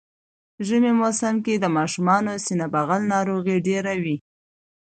ژمی موسم کی د ماشومانو سینه بغل ناروغی ډیره وی